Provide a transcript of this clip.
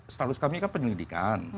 status kami kan penyelidikan